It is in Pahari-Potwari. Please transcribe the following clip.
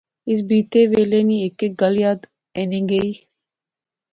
اس بیتے ویلے نی ہیک ہیک گل یاد اینی گئی